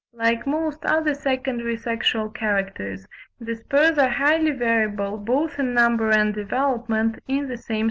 Like most other secondary sexual characters, the spurs are highly variable, both in number and development, in the same species.